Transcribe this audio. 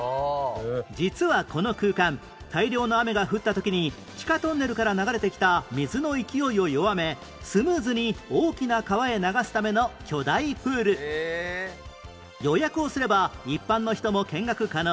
実はこの空間大量の雨が降った時に地下トンネルから流れてきた水の勢いを弱めスムーズに大きな川へ流すための巨大プール予約をすれば一般の人も見学可能